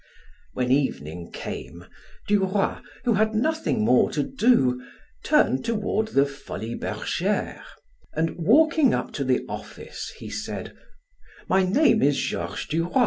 When evening came, Duroy, who had nothing more to do, turned toward the Folies Bergeres, and walking up to the office, he said: "My name is Georges Duroy.